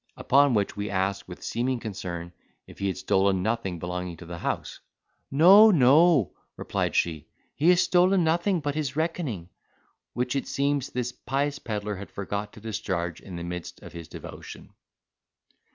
Upon which we asked, with seeming concern, if he had stolen nothing belonging to the house. "No, no," replied she, "he has stole nothing but his reckoning;" which, it seems, this pious pedlar had forgot to discharge in the midst of his devotion.